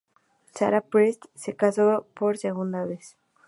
Sarah Priest se casó por segunda vez.